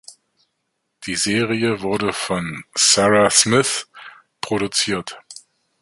Die Serie wurde von Sarah Smith produziert.